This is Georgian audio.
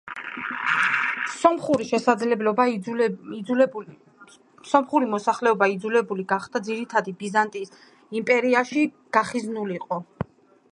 სომხური მოსახლეობა იძულებული გახდა ძირითადად ბიზანტიის იმპერიაში გახიზნულიყო.